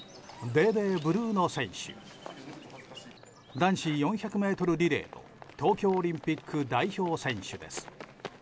男子４００ｍリレーの東京オリンピック代表選手です。